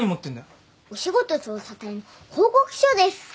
お仕事調査隊の報告書です。